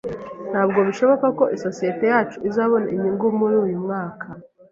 Ntabwo bishoboka ko isosiyete yacu izabona inyungu muri uyu mwaka